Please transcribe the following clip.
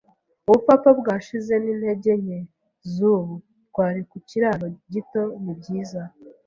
ubupfapfa bwashize n'intege nke zubu! Twari ku kiraro gito, nibyiza